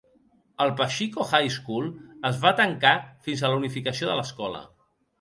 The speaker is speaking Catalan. El Paxico High School es va tancar fins a la unificació de l'escola.